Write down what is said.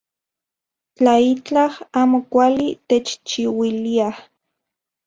Tla itlaj amo kuali techchiuiliaj.